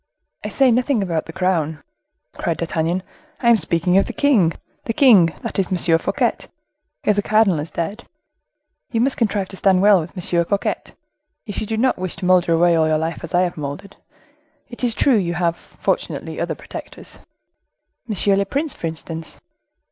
"I say nothing about the crown," cried D'Artagnan; "I am speaking of the king—the king, that is M. Fouquet, if the cardinal is dead. You must contrive to stand well with M. Fouquet, if you do not wish to molder away all your life as I have moldered. It is true you have, fortunately, other protectors." "M. le Prince, for instance."